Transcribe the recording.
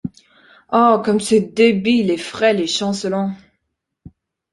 Oh ! comme c’est débile et frêle et chancelant !